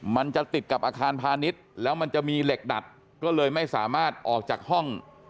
มันจะติดกับอาคารพาณิชย์แล้วมันจะมีเหล็กดัดก็เลยไม่สามารถออกจากห้อง